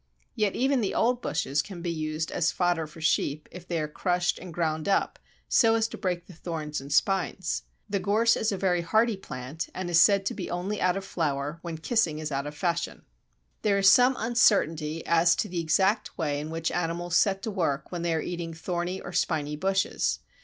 Yet even the old bushes can be used as fodder for sheep if they are crushed and ground up so as to break the thorns and spines. The Gorse is a very hardy plant, and is said to be only out of flower "when kissing is out of fashion" (see p. 100). There is still some uncertainty as to the exact way in which animals set to work when they are eating thorny or spiny bushes.